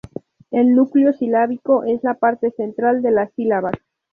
El núcleo silábico es la parte central de las sílabas.